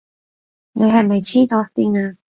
你係咪痴咗線呀？